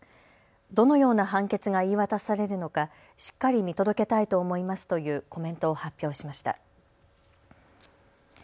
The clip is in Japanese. どのような判決が言い渡されるのか、しっかり見届けたいと思いますというコメントを発表しました。